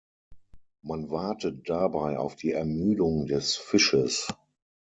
Man wartet dabei auf die Ermüdung des Fischs.